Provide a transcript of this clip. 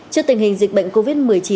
trước tình hình dịch bệnh covid một mươi chín